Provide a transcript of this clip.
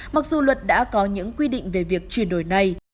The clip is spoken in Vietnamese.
mặc dù luật đã có những quy định về việc chuyển đổi này